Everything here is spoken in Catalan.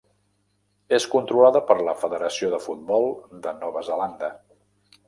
És controlada per la Federació de Futbol de Nova Zelanda.